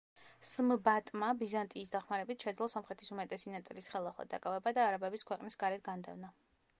სმბატმა, ბიზანტიის დახმარებით, შეძლო სომხეთის უმეტესი ნაწილის ხელახლა დაკავება და არაბების ქვეყნის გარეთ განდევნა.